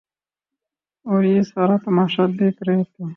اوریہ سارا تماشہ دیکھ رہے تھے۔